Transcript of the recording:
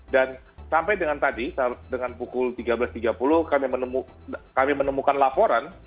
dan sampai dengan tadi dengan pukul tiga belas tiga puluh kami menemukan laporan